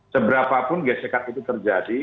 seberapapun gesekan itu terjadi